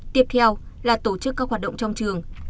tiếp theo là tổ chức các hoạt động trong trường